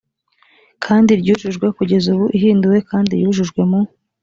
kandi ryujujwe kugeza ubu ihinduwe kandi yujujwe mu